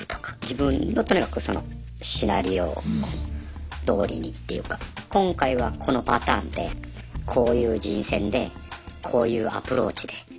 自分のとにかくそのシナリオどおりにっていうか今回はこのパターンでこういう人選でこういうアプローチで。